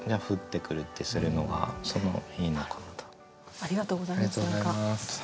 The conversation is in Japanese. ありがとうございます。